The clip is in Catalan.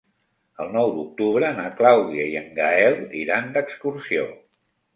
El nou d'octubre na Clàudia i en Gaël iran d'excursió.